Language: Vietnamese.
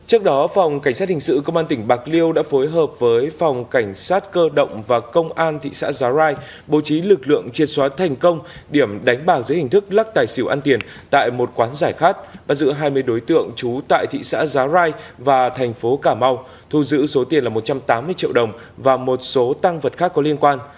trước đó phòng cảnh sát hình sự công an tỉnh bạc liêu đã phối hợp với phòng cảnh sát cơ động và công an thị xã giá rai bố trí lực lượng triệt xóa thành công điểm đánh bạc giữa hình thức lắc tài xỉu ăn tiền tại một quán giải khát và giữ hai mươi đối tượng trú tại thị xã giá rai và thành phố cảm mau thu giữ số tiền là một trăm tám mươi triệu đồng và một số tăng vật khác có liên quan